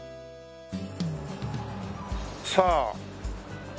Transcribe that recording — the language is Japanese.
さあ。